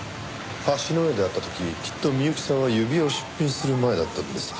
橋の上で会った時きっと美由紀さんは指輪を出品する前だったんです。